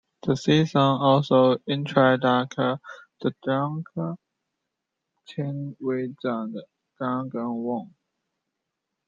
This season also introduces the Dark Chi Wizard Daolon Wong.